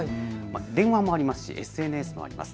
電話もありますしＳＮＳもあります。